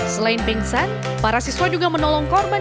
selain pingsan para siswa juga menolong korban